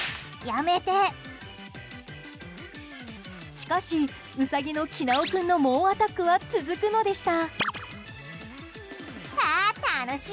しかし、ウサギのキナオ君の猛アタックは続くのでした。